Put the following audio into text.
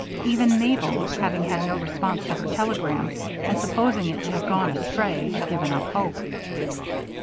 Even Mabel, having had no response to her telegram and supposing it to have gone astray, had given up hope.